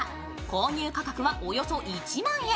購入価格はおよそ１万円。